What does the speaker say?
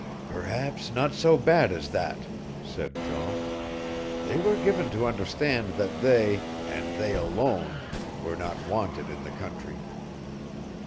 "Perhaps not so bad as that," said Jean. "They were given to understand that they and they alone were not wanted in the country.